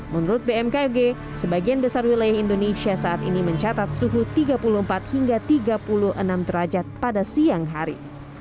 menurut bmkg sebagian besar wilayah indonesia saat ini mencatat suhu tiga puluh empat hingga tiga puluh enam derajat pada siang hari